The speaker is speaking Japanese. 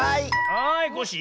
はいコッシー。